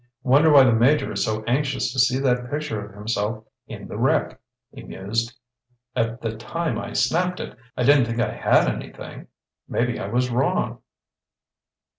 "Wonder why the Major is so anxious to see that picture of himself in the wreck?" he mused. "At the time I snapped it I didn't think I had anything. Maybe I was wrong."